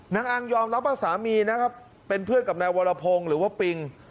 นางอังยอมรับว่าสามีนะครับเป็นเพื่อนกับนายวรพงศ์หรือว่าปิง